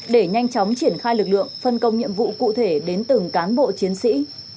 để nhanh chóng triển khai lực lượng phân công nhiệm vụ cụ thể đến từng cán bộ chiến sĩ